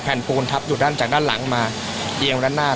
แผ่นปูนทับหยุดด้านจากด้านหลังมาเยี่ยมด้านหน้า